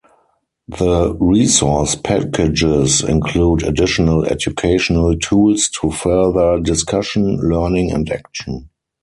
The resource packages include additional educational tools to further discussion, learning and action.